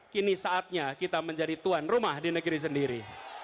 kini saatnya kita menjadi tuan rumah di negeri sendiri